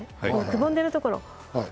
くぼんでいるところ。